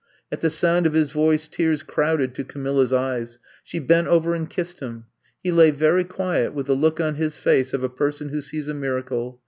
At the sound of his voice, tears crowded to Camilla's eyes. She bent over and kissed him. He lay very quiet with the look on his face of a person who sees a miracle.